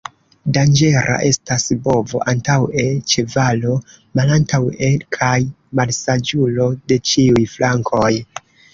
Danĝera estas bovo antaŭe, ĉevalo malantaŭe, kaj malsaĝulo de ĉiuj flankoj.